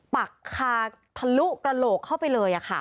ปักคาทะลุกระโหลกเข้าไปเลย